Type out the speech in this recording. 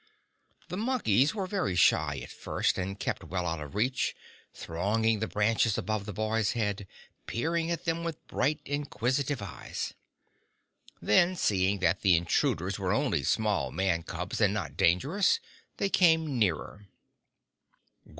The Monkeys were very shy at first, and kept well out of reach, thronging the branches above the boys' heads, peering at them with bright, inquisitive eyes. Then seeing that the intruders were only small man cubs, and not dangerous, they came nearer.